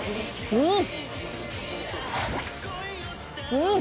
うん。